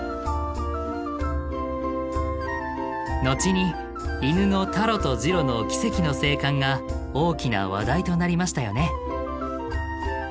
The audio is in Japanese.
後に犬のタロとジロの奇跡の生還が大きな話題となりましたよね。